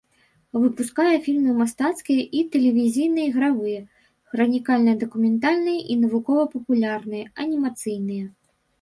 Выпускае фільмы мастацкія і тэлевізійныя ігравыя, хранікальна-дакументальныя і навукова-папулярныя, анімацыйныя.